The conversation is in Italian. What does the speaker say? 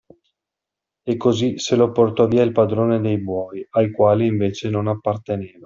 E così se lo portò via il padrone dei buoi, al quale invece non apparteneva.